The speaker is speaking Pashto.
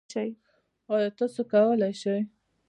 ایا تاسو کولی شئ؟